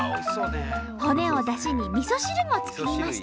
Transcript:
骨をだしにみそ汁も作りました。